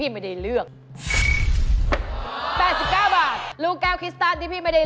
๙บาทเกมส่งเลยนะคะกลับไปมือปาก